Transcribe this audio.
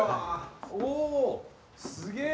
おすげえ！